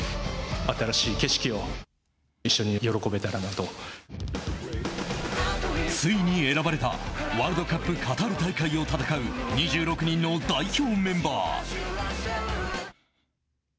新しい景色をついに選ばれたワールドカップカタール大会を戦う２６人の代表メンバー。